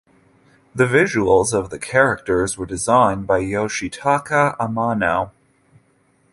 The visuals of the characters were designed by Yoshitaka Amano.